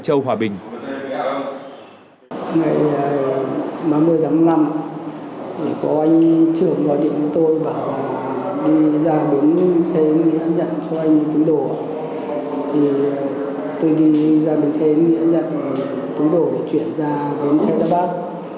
thì tôi đi ra bến xe nghĩa nhận túi đổ để chuyển ra bến xe ra bát